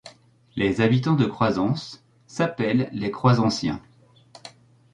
Les habitants de Croisances s'appellent les Croisanciens.